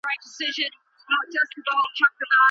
خصوصي پوهنتون بې له ځنډه نه پیلیږي.